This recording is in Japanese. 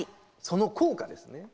その効果ですね。